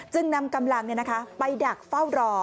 นำกำลังไปดักเฝ้ารอ